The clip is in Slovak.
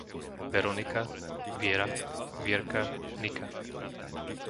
Veronika, Viera, Vierka, Nika